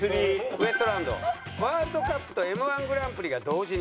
ウエストランド「ワールドカップとＭ−１グランプリが同時に！